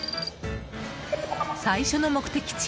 最初の目的地